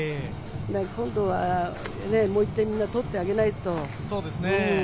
今度はもう１点みんな取ってあげないと。